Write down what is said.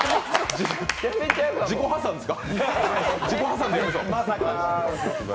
自己破産ですか？